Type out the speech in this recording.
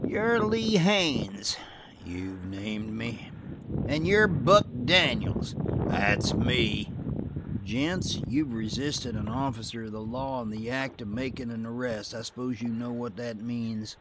"You're Lee Haines?" "You've named me." "And you're Buck Daniels?" "That's me." "Gents, you've resisted an officer of the law in the act of makin' an arrest. I s'pose you know what that means?"